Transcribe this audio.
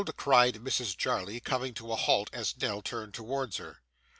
cried Mrs Jarley, coming to a halt as Nell turned towards her.